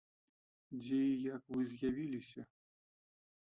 Дзе і як вы з'явіліся?